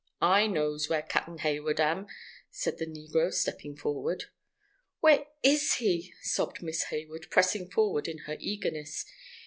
"I knows where Cap'n Hayward am," said the negro, stepping forward. "Where is he?" sobbed Miss Hayward, pressing forward, in her eagerness.